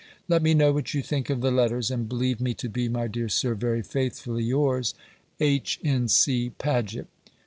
Let me know what you think of the letters, and believe me to be, my dear sir, very faithfully yours, H. N. C. PAGET.